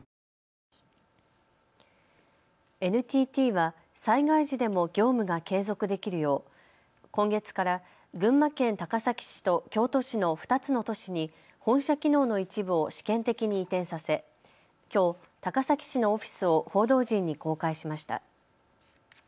ＮＴＴは災害時でも業務が継続できるよう今月から群馬県高崎市と京都市の２つの都市に本社機能の一部を試験的に移転させきょう、高崎市のオフィスを報道陣に公開しました。